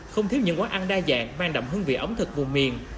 không thiếu những món ăn đa dạng mang đậm hương vị ống thật vùng miền